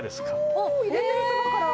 おお入れてるそばから。